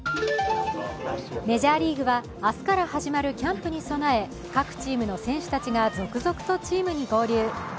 メジャーリーグは、明日から始まるキャンプに備え、各チームの選手たちが続々とチームに合流。